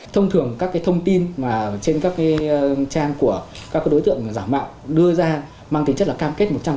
thông thường các thông tin trên các trang của các đối tượng giả mạo đưa ra mang tính chất là cam kết một trăm linh